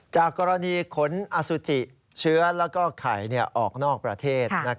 จากกรณีขนอสุจิเชื้อแล้วก็ไข่ออกนอกประเทศ